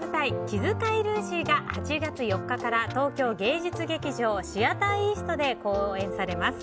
「気づかいルーシー」が８月４日から、東京芸術劇場シアターイーストで公演されます。